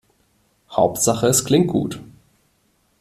Hauptsache es klingt gut.